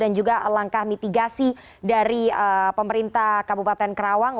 dan juga langkah mitigasi dari pemerintah kabupaten kerawang